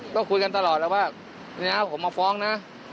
ก็คุยกันตลอดแล้วว่าเนี่ยผมมาฟ้องนะ